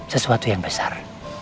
sesuatu yang besar